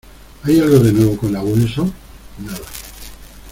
¿ hay algo de nuevo con la Wilson? nada.